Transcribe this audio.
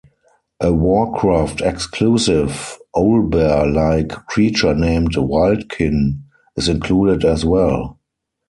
A "Warcraft"-exclusive owlbear-like creature named wildkin is included as well.